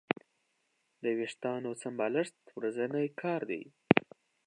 د وېښتیانو سمبالښت ورځنی کار دی.